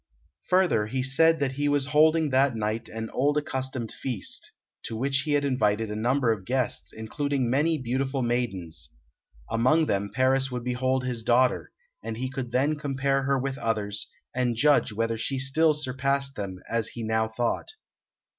Further, he said that he was holding that night an old accustomed feast, to which he had invited a number of guests, including many beautiful maidens; among them Paris would behold his daughter, and he could then compare her with others, and judge whether she still surpassed them as he now thought.